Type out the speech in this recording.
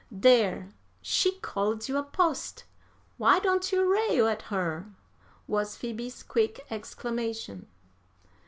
"'There! she called you a post; why don't you rail at her?' was Phoebe's quick exclamation.